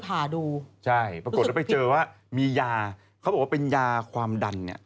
ผ่าดูใช่ปรากฏว่าไปเจอว่ามียาเขาบอกว่าเป็นยาความดันเนี่ย